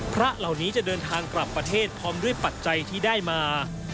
พระเหล่านี้จะเดินทางกลับประเทศพร้อมด้วยปัจจัยที่ได้มา